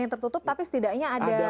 yang tertutup tapi setidaknya ada